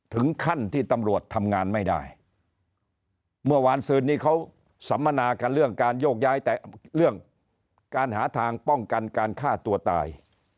ถึงขั้นที่ตำรวจทำงานไม่ได้เมื่อวานซืนนี้เขาสัมมนากันเรื่องการโยกย้ายแต่เรื่องการหาทางป้องกันการฆ่าตัวตาย